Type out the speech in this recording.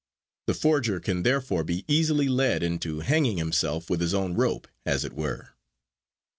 The forger can therefore be easily led into hanging himself with his own rope, as it were.